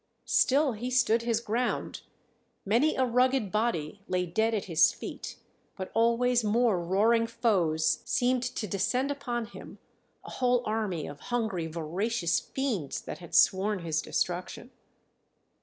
Still he stood his ground; many a rugged body lay dead at his feet, but always more roaring foes seemed to descend upon him, a whole army of hungry, voracious fiends that had sworn his destruction.